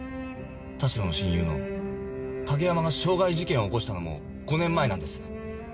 田代の親友の景山が傷害事件を起こしたのも５年前なんです。